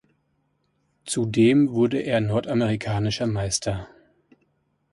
Zudem wurde er Nordamerikanischer Meister.